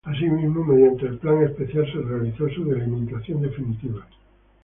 Así mismo, mediante el plan especial se realizó su delimitación definitiva.